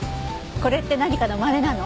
これって何かのまねなの？